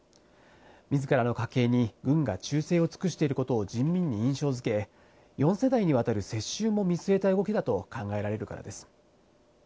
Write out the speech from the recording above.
みずからの家系に軍が忠誠を尽くしていることを人民に印象づけ、４世代にわたる世襲も見据えた動きだと考えられるからです。